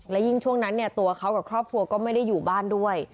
และยิ่งช่วงนั้นเนี่ยตัวเขากับครอบครัวก็ไม่ได้อยู่บ้านด้วย